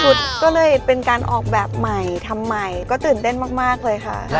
ก็เลยเป็นการออกแบบใหม่ทำใหม่ก็ตื่นเต้นมากเลยค่ะ